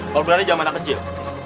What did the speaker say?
lo gue bilangnya jamanah kecil